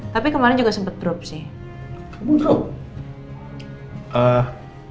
tapi kemarin juga sempat drop sih